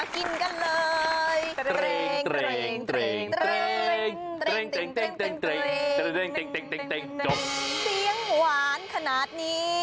เสียงหวานขนาดนี้